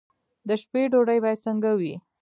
د شپې ډوډۍ باید څنګه وي؟